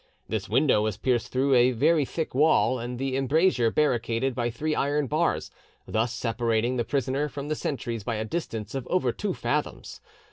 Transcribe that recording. This window was pierced through a very thick wall and the embrasure barricaded by three iron bars, thus separating the prisoner from the sentries by a distance of over two fathoms.